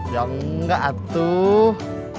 ya gak atuh